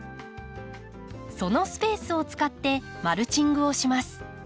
そのスペースを使ってマルチングをします。